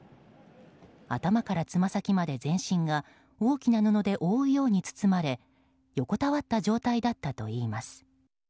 頭からつま先まで全身が大きな布で覆うように包まれ横たわった状態だったといいます。